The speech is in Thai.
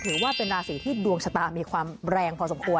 ถือว่าเป็นราศีที่ดวงชะตามีความแรงพอสมควร